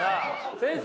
先生！